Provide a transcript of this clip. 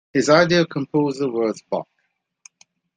His ideal composer was Bach.